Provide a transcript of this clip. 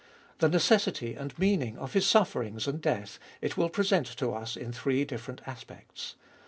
The necessity and meaning of His sufferings and death it will present to us in three different aspects.